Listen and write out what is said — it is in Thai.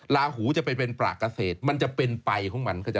ลาหูจะเป็นเป็นปลากเกษตรมันจะเป็นไปของมัน